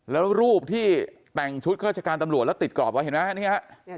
แล้วรูปที่แต่งชุดข้าราชการตำรวจแล้วติดกรอบไว้เห็นไหมนี่ฮะ